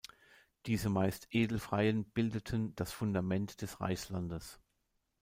Diese meist Edelfreien bildeten das Fundament des Reichslandes.